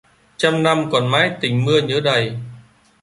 Trăm năm còn mãi tình mưa nhớ đầy...